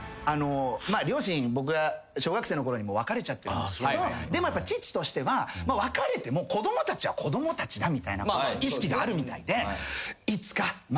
両親僕が小学生のころに別れちゃってるんですけどでも父としては別れても子供たちは子供たちだみたいな意識があるみたいでいつか。